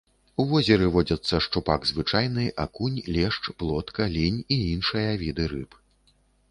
У возеры водзяцца шчупак звычайны, акунь, лешч, плотка, лінь і іншыя віды рыб.